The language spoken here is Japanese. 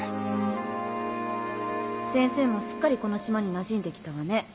先生もすっかりこの島になじんできたわね